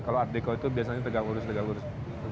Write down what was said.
kalau art dekor itu biasanya tegak lurus lurus